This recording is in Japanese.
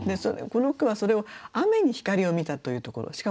この句はそれを雨に光を見たというところ。